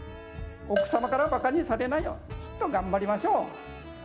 奥様からばかにされないようちっと頑張りましょう。